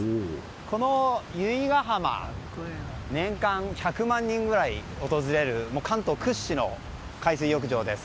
この由比ガ浜年間１００万人ぐらい訪れる関東屈指の海水浴場です。